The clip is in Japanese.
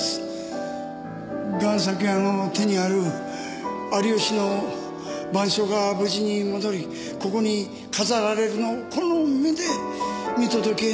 贋作家の手にある有吉の『晩鐘』が無事に戻りここに飾られるのをこの目で見届けなければならない。